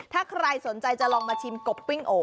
ถ้าใครสนใจจะลองมาชิมกบปิ้งโอ